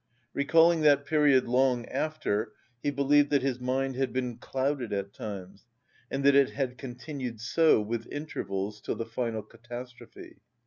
Recalling that period long after, he believed that his mind had been clouded at times, and that it had continued so, with intervals, till the final catastrophe.